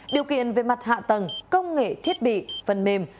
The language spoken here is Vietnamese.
điều kiện về mặt hạ tầng công nghệ thiết bị phần mềm